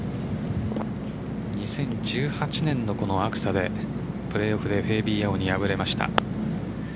２０１８年のアクサプレーオフでフェービー・ヤオに敗れました。